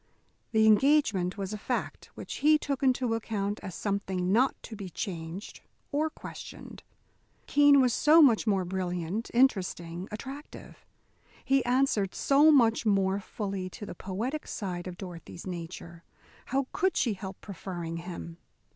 The engagement was a fact which he took into account as something not to be changed or questioned. Keene was so much more brilliant, interesting, attractive. He answered so much more fully to the poetic side of Dorothy's nature. How could she help preferring him?